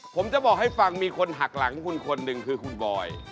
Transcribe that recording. ผมจะบอกให้ฟังมีคนหักหลังคุณคนหนึ่งคือคุณบอย